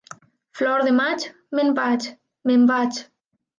Flor de maig, me'n vaig, me'n vaig.